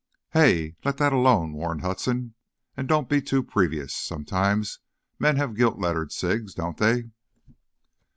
"Hey, let that alone!" warned Hudson. "And don't be too previous; sometimes men have gilt lettered cigs, don't they?"